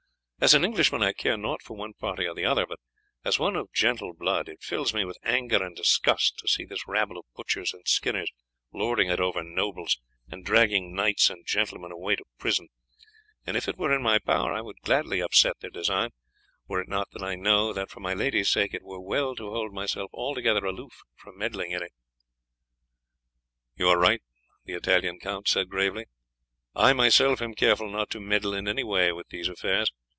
As an Englishman I care naught for one party or the other, but as one of gentle blood it fills me with anger and disgust to see this rabble of butchers and skinners lording it over nobles and dragging knights and gentlemen away to prison; and if it were in my power I would gladly upset their design, were it not that I know that, for my lady's sake, it were well to hold myself altogether aloof from meddling in it." "You are right," the Italian said gravely. "I myself am careful not to meddle in any way with these affairs.